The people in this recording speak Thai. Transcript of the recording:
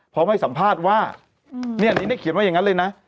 พร้อมให้สัมภาษณ์ว่าเนี่ยอันนี้ได้เขียนไว้อย่างนั้นเลยนะ